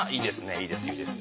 いいですいいです。